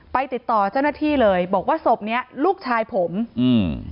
ติดต่อเจ้าหน้าที่เลยบอกว่าศพเนี้ยลูกชายผมอืม